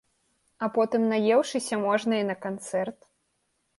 А потым, наеўшыся, можна і на канцэрт.